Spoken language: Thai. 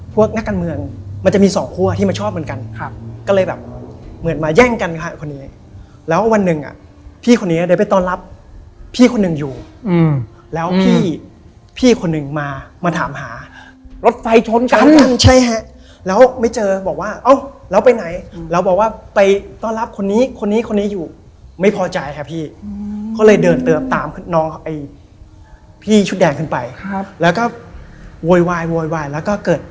เป็นเรื่องปกติพี่ผมบอกพี่ผมไม่กลัว